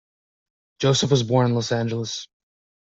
Joseph was born in Los Angeles.